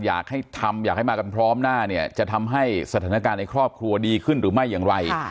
อยากให้ทำอยากให้มากันพร้อมหน้าเนี่ยจะทำให้สถานการณ์ในครอบครัวดีขึ้นหรือไม่อย่างไร